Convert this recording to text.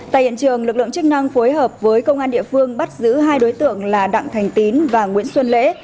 tại hiện trường lực lượng chức năng phối hợp với công an địa phương bắt giữ hai đối tượng là đặng thành tín và nguyễn xuân lễ